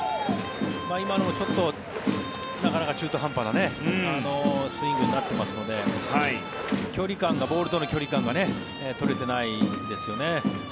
今のもちょっと中途半端なスイングになってますのでボールとの距離感が取れていないですよね。